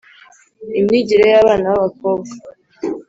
Imyigire y abana ba bakobwa